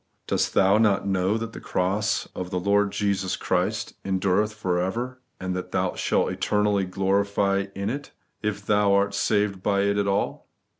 Dos^ thoa not know that the cra^ of the Lord Jesus Christ endureth for ever, and that thou shalt eternally glory in it, if thou art saved by it at all